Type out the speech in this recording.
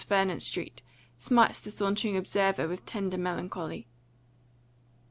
Vernon Street smites the sauntering observer with tender melancholy.